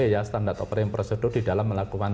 ya standard operating procedure di dalam melakukan